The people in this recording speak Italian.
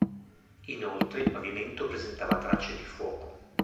Inoltre il pavimento presentava tracce di fuoco.